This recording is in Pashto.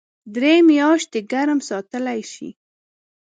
درې میاشتې ګرم ساتلی شي .